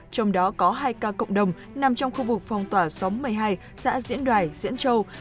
trong đó có hai ca cộng đồng nằm trong khu vực phong tỏa xóm một mươi hai xã diễn đoài diễn châu